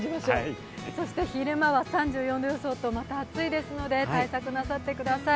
そして昼間は３４度予想と、また暑いですので対策なさってください。